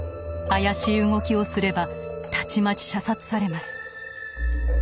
怪しい動きをすればたちまち射殺されます。